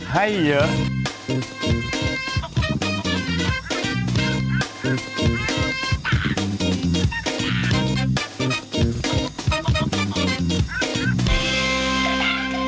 ไฮเยอร์